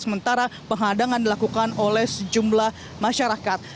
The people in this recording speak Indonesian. sementara penghadangan dilakukan oleh sejumlah masyarakat